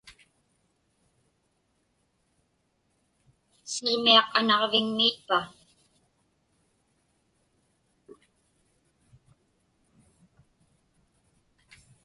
Siġmiaq anaġviŋmiitpa?